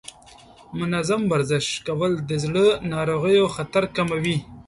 منظم ورزش کول د زړه ناروغیو خطر کموي.